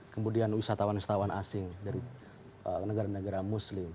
kemudian wisatawan wisatawan asing dari negara negara muslim